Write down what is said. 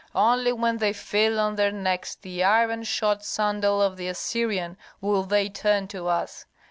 Only when they feel on their necks the iron shod sandal of the Assyrian, will they turn to us.